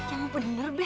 jangan bener be